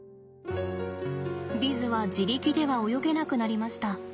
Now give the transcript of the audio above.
ヴィズは自力では泳げなくなりました。